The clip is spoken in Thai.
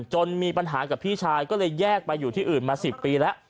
มีปัญหากับพี่ชายก็เลยแยกไปอยู่ที่อื่นมา๑๐ปีแล้ว